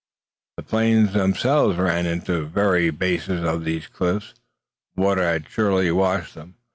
The plains themselves ran into the very bases of these, cliffs. Water had surely washed them.